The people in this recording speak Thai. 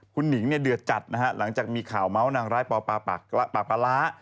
คุณหนิงเนี่ยเดือดจัดนะฮะหลังจากมีข่าวเมาส์นางร้ายปอปากปลาร้า